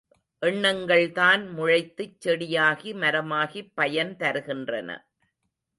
எண்ணங்கள்தான் முளைத்துச் செடியாகி மரமாகிப் பயன் தருகின்றன.